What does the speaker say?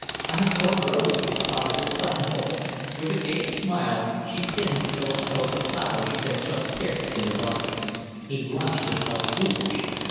"I have brought a rose for the prodigal's buttonhole." With a gay smile she pinned to Philip's coat the flower she had just picked in the garden. He blushed and felt foolish.